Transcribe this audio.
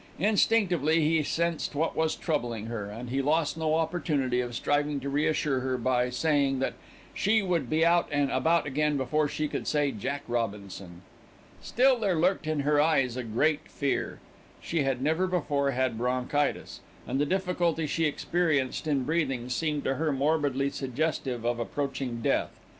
Instinctively he sensed what was troubling her, and he lost no opportunity of striving to reassure her by saying that she would be out and about again before she could say "Jack Robinson." Still there lurked in her eyes a Great Fear. She had never before had bronchitis, and the difficulty she experienced in breathing seemed to her morbidly suggestive of approaching death.